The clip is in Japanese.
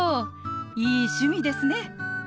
いい趣味ですね。